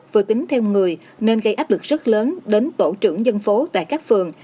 vừa tính theo người nên gây áp lực rất lớn đến tổ trưởng dân phố tại các phường